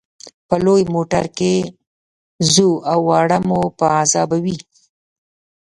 په لوی موټر کې ځو او واړه مو په عذابوي.